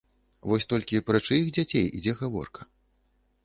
Вось толькі пра чыіх дзяцей ідзе гаворка?